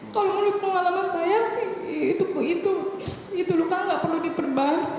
kalau menurut pengalaman saya itu luka tidak perlu diperban